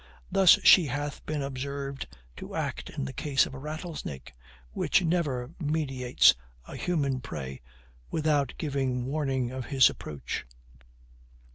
Thus she hath been observed to act in the case of a rattlesnake, which never meditates a human prey without giving warning of his approach.